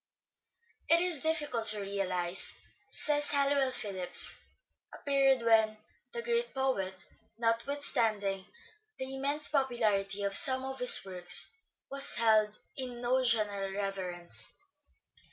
" It is difficult to realize," says Halliwell Phillipps, " a period when ... the great poet, notwithstanding the immense popularity of some of his works, was held in no general reverence.